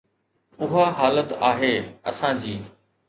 اها حالت آهي اسان جي.